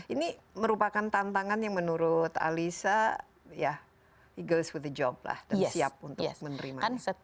ini merupakan tantangan yang menurut alisa ya e goes with job lah dan siap untuk menerimanya